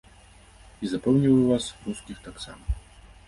І, запэўніваю вас, рускіх таксама.